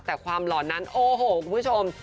แต่ความหล่อนนั้นโอ้โหคุณผู้ชม